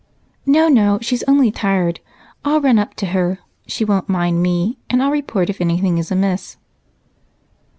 "No, no, she's only tired. I'll run up to her she won't mind me and I'll report if anything is amiss."